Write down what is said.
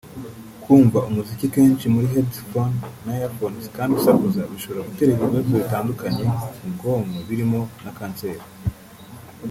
Kumva umuziki kenshi muri headphones na earphones kandi usakuza bishobora gutera ibibazo bitandukanye mu bwonko birimo na kanseri